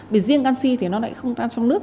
vì riêng canxi thì nó lại không tan trong nước